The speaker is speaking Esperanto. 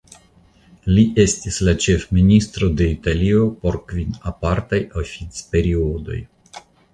Li estis la ĉefministro de Italio por kvin apartaj oficperiodoj.